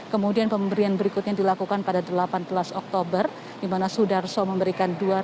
kemudian pemberian berikutnya dilakukan pada delapan belas oktober di mana sudarso memberikan